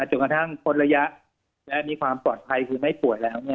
จนกระทั่งพ้นระยะและมีความปลอดภัยคือไม่ป่วยแล้ว